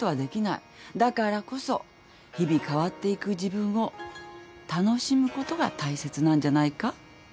だからこそ日々変わっていく自分を楽しむことが大切なんじゃないか？